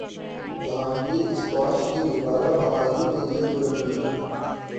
Jahangir squash کی دوبارہ بحالی کیلئے پرامید